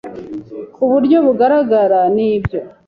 ku buryo bugaragara nibyo